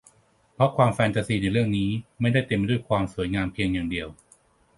เพราะความแฟนตาซีในเรื่องนี้ไม่ได้เต็มไปด้วยความสวยงามเพียงอย่างเดียว